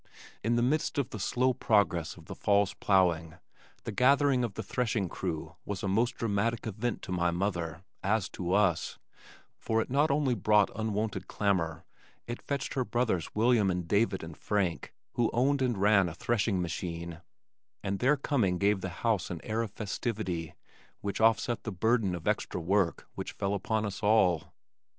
In the midst of the slow progress of the fall's plowing, the gathering of the threshing crew was a most dramatic event to my mother, as to us, for it not only brought unwonted clamor, it fetched her brothers William and David and Frank, who owned and ran a threshing machine, and their coming gave the house an air of festivity which offset the burden of extra work which fell upon us all.